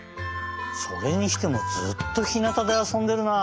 それにしてもずっとひなたであそんでるなあ。